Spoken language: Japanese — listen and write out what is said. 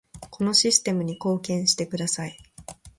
このシステムに貢献してください